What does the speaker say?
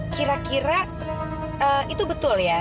kira kira itu betul ya